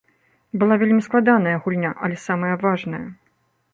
Была вельмі складаная гульня, але самая важная.